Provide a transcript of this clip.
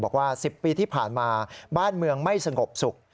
บอกว่า๑๐ปีที่ผ่านมาบ้านเมืองไม่สงบสุข